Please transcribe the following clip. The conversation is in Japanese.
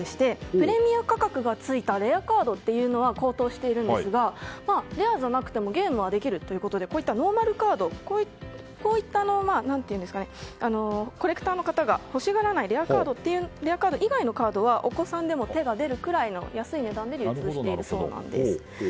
プレミア価格がついたレアカードというのは高騰しているんですがレアじゃなくてもゲームはできるということでノーマルカードなどこういったコレクターの方が欲しがらないレアカード以外のカードはお子さんでも手が出るくらいの安い値段で流通しているそうです。